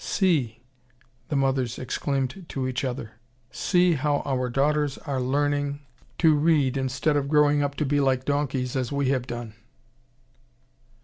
"See," the mothers exclaimed to each other, "see how our daughters are learning to read, instead of growing up to be like donkeys as we have done!"